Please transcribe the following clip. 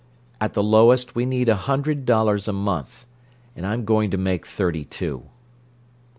"At the lowest, we need a hundred dollars a month—and I'm going to make thirty two."